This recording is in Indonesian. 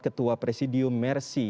ketua presidium mercy